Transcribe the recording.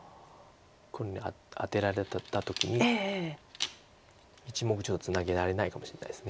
黒にアテられた時に１目ちょっとツナげられないかもしれないです。